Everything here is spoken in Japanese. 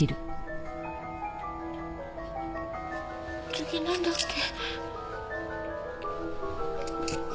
次何だっけ？